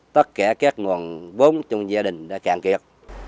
tất cả các nguồn vốn trong gia đình đã cạn kiệt